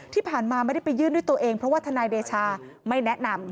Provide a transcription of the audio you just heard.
ที่ผ่านมาไม่ได้ไปยื่นด้วยตัวเองเพราะว่าทนายเดชาไม่แนะนำ